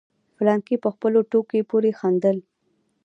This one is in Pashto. فلانکي په خپلې ټوکې پورې خندل.